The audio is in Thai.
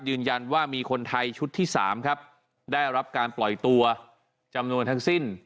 ยืนยันว่ามีคนไทยชุดที่๓ครับได้รับการปล่อยตัวจำนวนทั้งสิ้น